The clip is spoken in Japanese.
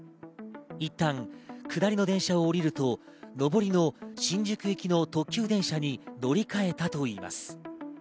いったん下りの電車を降りると、上りの新宿行きの特急列車に乗り換えたといいます。